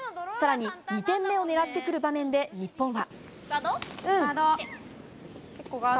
更に２点目を狙ってくる場面で日本は。